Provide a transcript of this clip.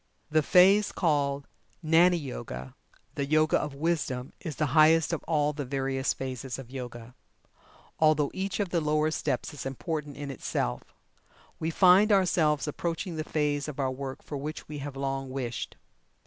The phase called "Gnani Yoga" the Yoga of Wisdom is the highest of all the various phases of Yoga, although each of the lower steps is important in itself. We find ourselves approaching the phase of our work for which we have long wished.